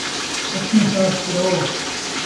اکّھیں صاف کراؤ